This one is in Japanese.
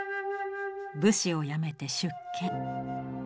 武士を辞めて出家。